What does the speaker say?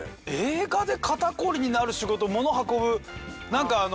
映画で肩こりになる仕事もの運ぶなんか。